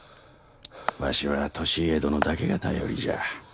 わしは利家殿だけが頼りじゃ。